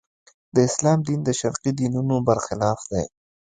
د اسلام دین د شرقي دینونو برخلاف دی.